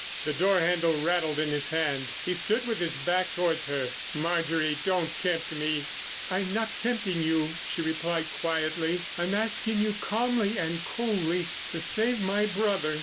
The door handle rattled in his hand. He stood with his back towards her. "Marjorie, don't tempt me." "I'm not tempting you," she replied quietly. "I'm asking you calmly and coldly to save my brother.